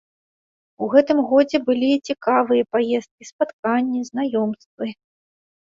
У гэтым годзе былі і цікавыя паездкі, спатканні, знаёмствы.